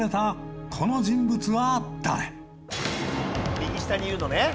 右下にいるのね。